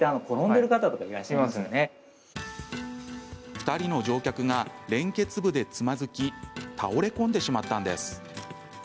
２人の乗客が連結部でつまずき倒れ込んでしまったんです。